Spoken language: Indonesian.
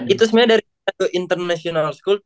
itu sebenarnya dari international school